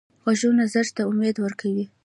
غږونه زړه ته امید ورکوي